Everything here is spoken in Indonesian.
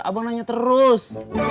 abang nanya terus